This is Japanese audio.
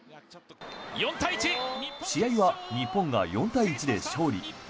試合は日本が４対１で勝利。